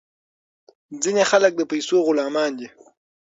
ځینې خلک د پیسو غلامان دي.